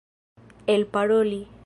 elparoli